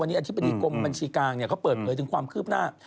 วันนี้อธิบดีกรมบัญชีกลางเขาเปิดเผยถึงความคืบหน้า